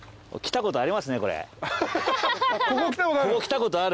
ここ来たことある。